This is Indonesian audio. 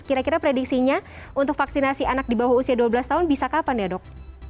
kira kira prediksinya untuk vaksinasi anak di bawah usia dua belas tahun bisa kapan ya dok